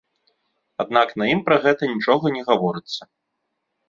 Аднак на ім пра гэта нічога не гаворыцца.